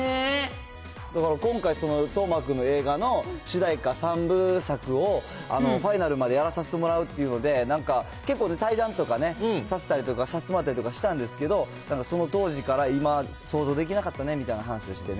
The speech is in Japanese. だから今回、斗真君の映画の主題歌、３部作をＦＩＮＡＬまでやらさせてもらうっていうので、なんか結構対談とかね、させてもらったりとかしたんですけど、その当時から、今想像できなかったねみたいな話をしてね。